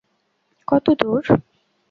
কত দূর?